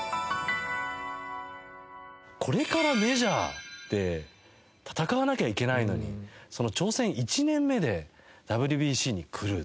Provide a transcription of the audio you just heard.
これからメジャーで戦わなきゃいけないのに挑戦１年目でＷＢＣに来る。